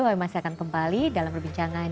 kami masih akan kembali dalam perbincangan